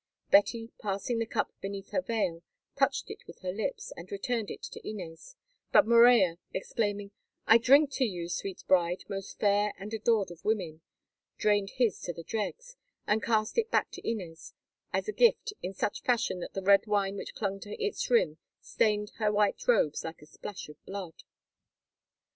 Betty, passing the cup beneath her veil, touched it with her lips and returned it to Inez; but Morella, exclaiming, "I drink to you, sweet bride, most fair and adored of women," drained his to the dregs, and cast it back to Inez as a gift in such fashion that the red wine which clung to its rim stained her white robes like a splash of blood.